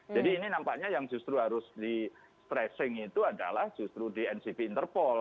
ini nampaknya yang justru harus di stressing itu adalah justru di ncb interpol